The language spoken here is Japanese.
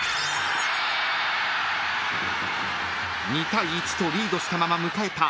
［２対１とリードしたまま迎えた